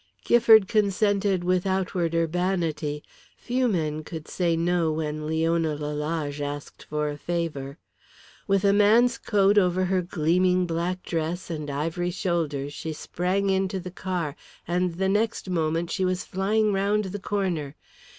Gifford consented with outward urbanity. Few men could say no when Leona Lalage asked for a favour. With a man's coat over her gleaming black dress and ivory shoulders she sprang into the car, and the next moment she was flying round the corner.